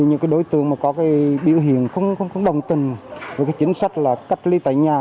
những đối tượng có biểu hiện không đồng tình với chính sách cách ly tại nhà